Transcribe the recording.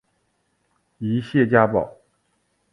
治谢家堡。